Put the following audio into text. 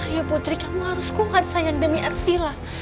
ya putri kamu harus kuat sayang demi arsila